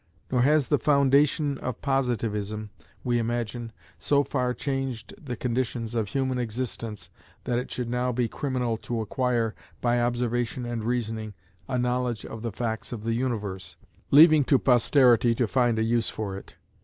Nor has the "foundation of Positivism," we imagine, so far changed the conditions of human existence, that it should now be criminal to acquire, by observation and reasoning, a knowledge of the facts of the universe, leaving to posterity to find a use for it.